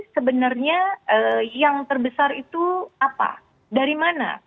sebenarnya yang terbesar itu apa dari mana